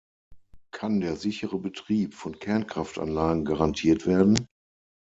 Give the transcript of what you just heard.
Kann der sichere Betrieb von Kernkraftanlagen garantiert werden?